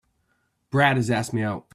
Brad has asked me out.